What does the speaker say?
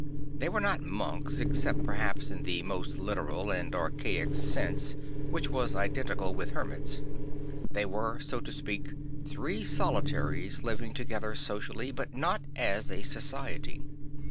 They were not monks except perhaps in the most literal and archaic sense which was iden tical with hermits. They were, so to speak, three solitaries living together socially, but not as a society.